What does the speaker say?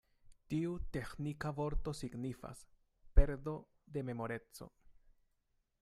Tiu teĥnika vorto signifas: perdo de memoreco.